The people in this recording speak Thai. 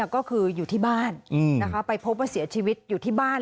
ก็คืออยู่ที่บ้านไปพบว่าเสียชีวิตอยู่ที่บ้าน